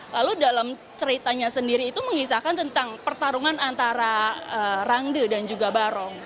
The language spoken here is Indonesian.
lalu dalam ceritanya sendiri itu mengisahkan tentang pertarungan antara rangde dan juga barong